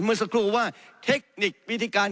หรือว่าเทคนิควิดิการ